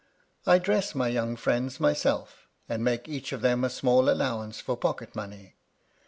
I dress my * young friends myself, and make each of them a small 'allowance for pocket money.